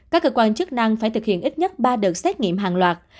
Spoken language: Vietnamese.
các cơ quan chức năng phải thực hiện ít nhất ba đợt xét nghiệm hàng loạt